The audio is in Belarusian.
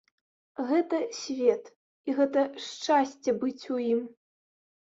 Гэта свет і гэта шчасце быць у ім.